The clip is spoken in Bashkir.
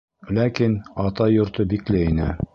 Ләкин атай йорто бикле ине.